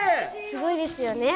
すごいですよね？